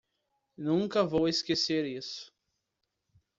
Nunca vou esquecer isso.